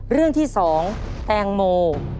เรื่องที่๒แตงโม